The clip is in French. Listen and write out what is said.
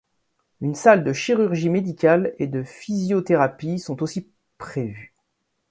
Une salle de chirurgie médicale et de physiothérapie sont aussi prévues.